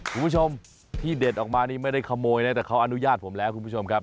คุณผู้ชมที่เด็ดออกมานี่ไม่ได้ขโมยนะแต่เขาอนุญาตผมแล้วคุณผู้ชมครับ